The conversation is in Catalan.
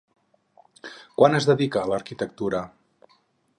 Quan es dedica a l'arquitectura?